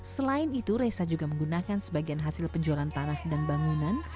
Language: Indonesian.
selain itu resa juga menggunakan sebagian hasil penjualan tanah dan bangunan